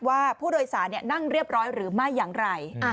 ว่าผู้โดยสารนั่งเรียบร้อยหรือไม่อย่างไร